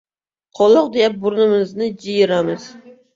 Qoloq deya burnimizni jiyiramiz.